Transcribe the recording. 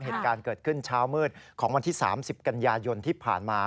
เหตุการณ์เกิดขึ้นเช้ามืดของวันที่๓๐กันยายนที่ผ่านมา